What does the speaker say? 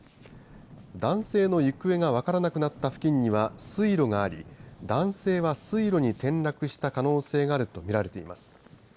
男性の行方が分からなくなった付近には水路があり男性は水路に転落した可能性があるとみられています。